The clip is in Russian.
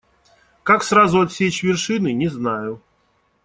Как сразу отсечь вершины - не знаю.